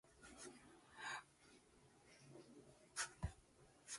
Dārtsmuižas strauts ir Vecupes labā krasta pieteka Tukuma novadā.